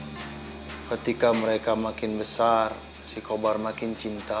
hai ketika mereka makin besar si kobar makin cinta